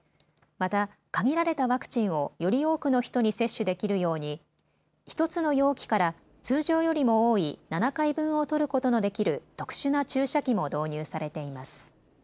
また限られたワクチンをより多くの人に接種できるように１つの容器から通常よりも多い７回分をとることのできる特殊な注射器も導入されています。